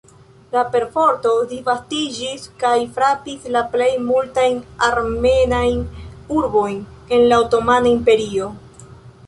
La perforto disvastiĝis kaj frapis la plej multajn armenajn urbojn en la Otomana Imperio.